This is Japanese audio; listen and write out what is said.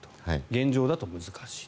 現状では難しい。